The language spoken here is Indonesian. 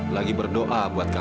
lagi berdoa buat kamu